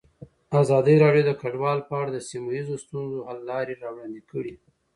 ازادي راډیو د کډوال په اړه د سیمه ییزو ستونزو حل لارې راوړاندې کړې.